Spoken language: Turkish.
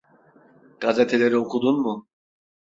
Gazeteleri okudun mu?